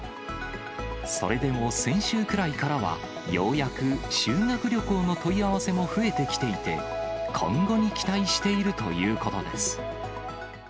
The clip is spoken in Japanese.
それでも先週くらいからは、ようやく修学旅行の問い合わせも増えてきていて、今後に期待しているということです。